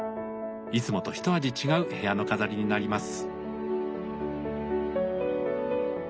いつもと一味違う部屋の飾りになります。